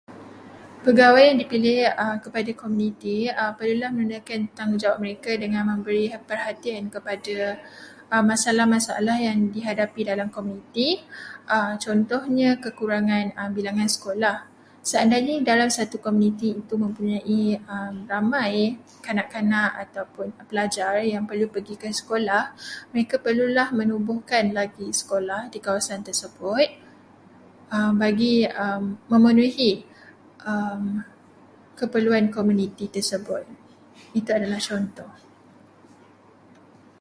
Pegawai yang dipilih kepada komuniti perlulah menunaikan tanggungjawab mereka dengan memberi perhatian kepada kepada masalah-masalah yang dihadapi dalam komuniti, contohnya kekurangan bilangan sekolah. Seandainya dalam satu komuniti itu mempunyai ramai kanak-kanak ataupun pelajar yang perlu pergi ke sekolah, mereka perlulah menubuhkan lagi sekolah di kawasan tersebut bagi memenuhi keperluan komuniti tersebut. Itu adalah contoh.